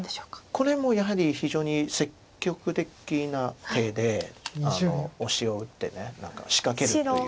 これもやはり非常に積極的な手でオシを打って何か仕掛けるという。